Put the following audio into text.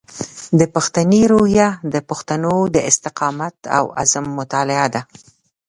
د پښتني روحیه د پښتنو د استقامت او عزم مطالعه ده.